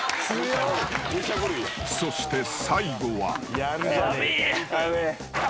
［そして最後は］